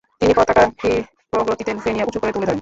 তিনি পতাকা ক্ষিপ্রগতিতে লুফে নিয়ে উঁচু করে তুলে ধরেন।